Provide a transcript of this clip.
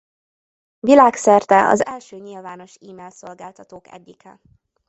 Világszerte az első nyilvános e-mail-szolgáltatók egyike.